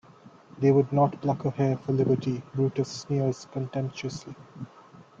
"They would not pluck a hair for liberty," Brutus sneers contemptuously.